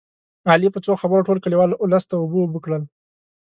علي په څو خبرو ټول کلیوال اولس ته اوبه اوبه کړل